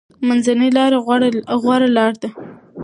منځنۍ لاره غوره لاره ده.